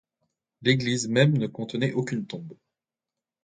L’église même ne contenait aucune tombe.